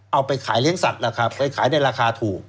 เอาไปขายเลี้ยงสัตว์ล่ะครับไปขายในราคาถูก